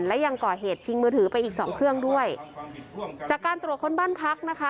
และยังก่อเหตุชิงมือถือไปอีกสองเครื่องด้วยจากการตรวจค้นบ้านพักนะคะ